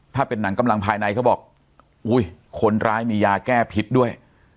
ถ้าเป็นหนังกำลังภายในเขาบอกอุ้ยคนร้ายมียาแก้พิษด้วย